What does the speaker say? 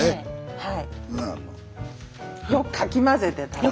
はい。